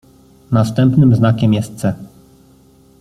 "Następnym znakiem jest C."